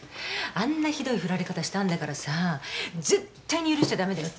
あんなひどい振られ方したんだからさ絶対に許しちゃ駄目だよ。